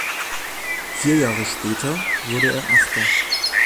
Vier Jahre später wurde er Achter.